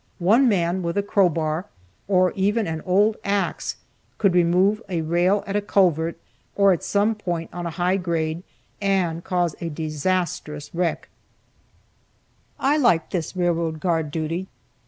One man with a crow bar, or even an old ax, could remove a rail at a culvert, or some point on a high grade, and cause a disastrous wreck. I liked this railroad guard duty.